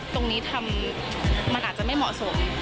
ตรงนี้ทำมันอาจจะไม่เหมาะสม